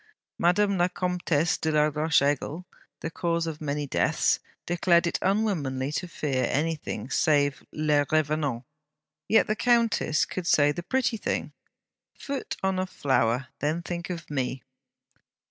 Madame la Comtesse de la Roche Aigle, the cause of many deaths, declared it unwomanly to fear anything save 'les revenants.' Yet the countess could say the pretty thing: 'Foot on a flower, then think of me!'